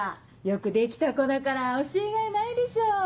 よくできた子だから教えがいないでしょう。